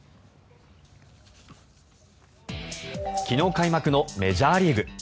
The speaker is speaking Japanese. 昨日開幕のメジャーリーグ。